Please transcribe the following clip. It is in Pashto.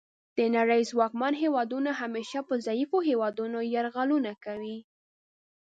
د نړۍ ځواکمن هیوادونه همیشه په ضعیفو هیوادونو یرغلونه کوي